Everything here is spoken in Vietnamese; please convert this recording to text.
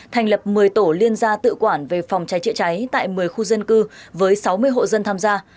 thành lập một mươi tổ liên gia tự quản về phòng cháy chữa cháy tại một mươi khu dân cư với sáu mươi hộ dân tham gia